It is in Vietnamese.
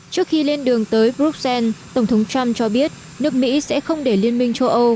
trước khi lên đường tới bruxelles tổng thống trump cho biết nước mỹ sẽ không để liên minh châu âu